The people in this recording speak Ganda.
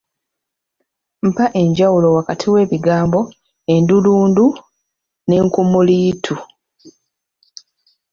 Mpa enjawulo wakati w'ebigambo endulundu n'enkumuliitu.